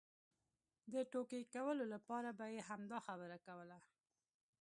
د ټوکې کولو لپاره به یې همدا خبره کوله.